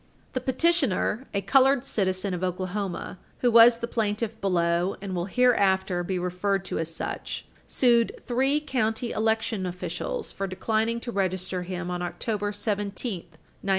The petitioner, a colored citizen of Oklahoma, who was the plaintiff below and will hereafter be referred to as such, sued three county election officials for declining to register him on October 17, 1934.